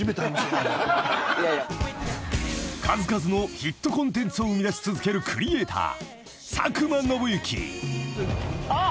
［数々のヒットコンテンツを生み出し続けるクリエイター］